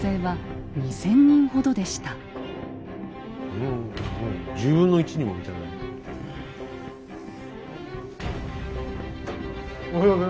ふん１０分の１にも満たない。